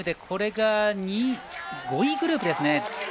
そして５位グループです。